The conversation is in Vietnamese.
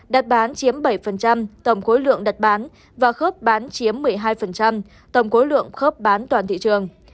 đặt bán chiếm bảy tổng khối lượng đặt bán và khớp bán chiếm một mươi hai tổng khối lượng khớp bán toàn thị trường